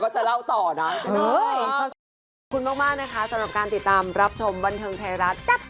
โชว์สิบแปด